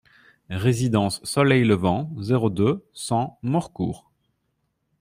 Résidence Soleil Levant, zéro deux, cent Morcourt